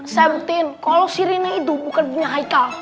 saya berpikir kalau si rina itu bukan punya haikal